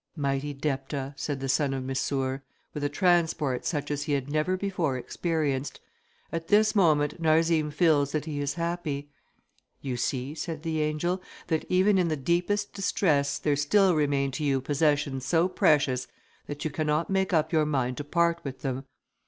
"Mighty Depta," said the son of Missour, with a transport such as he had never before experienced, "at this moment Narzim feels that he is happy." "You see," said the angel, "that even in the deepest distress, there still remain to you possessions so precious, that you cannot make up your mind to part with them.